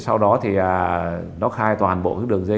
sau đó thì nó khai toàn bộ cái đường dây